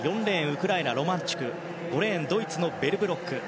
ウクライナのロマンチュク５レーンドイツのベルブロック